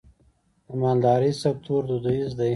د مالدارۍ سکتور دودیز دی